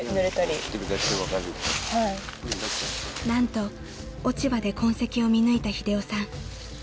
［何と落ち葉で痕跡を見抜いた英雄さん］